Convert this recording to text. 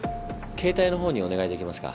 携帯のほうにお願いできますか？